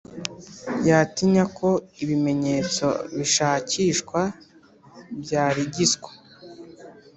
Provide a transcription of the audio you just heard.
Yatinya ko ibimenyetso bishakishwa byarigiswa